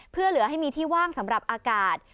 เพื่อเหลือให้มีที่ว่างสำหรับอากาศ